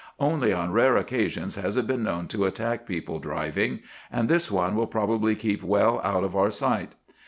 Only on rare occasions has it been known to attack people driving, and this one will probably keep well out of our sight.